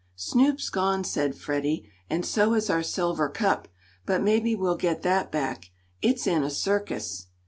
"Snoop's gone," said Freddie, "and so is our silver cup, but maybe we'll get that back. It's in a circus."